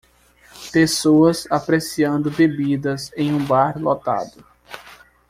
Pessoas apreciando bebidas em um bar lotado.